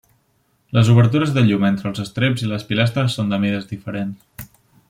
Les obertures de llum entre els estreps i les pilastres són de mides diferents.